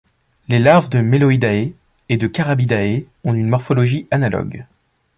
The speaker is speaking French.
Les larves de Meloidae et de Carabidae ont une morphologie analogue.